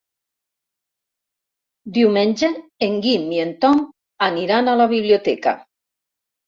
Diumenge en Guim i en Tom aniran a la biblioteca.